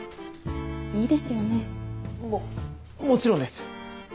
いいですよね？ももちろんです。